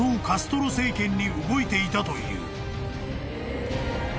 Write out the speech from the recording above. カストロ政権に動いていたという］